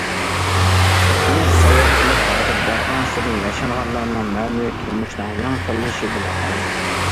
دېمەك، ساياھەتلەر ھازىر بارغانسېرى ياشانغانلارنىڭ مەنىۋى تۇرمۇشىنىڭ يېڭى تاللىشى بولۇپ قالدى.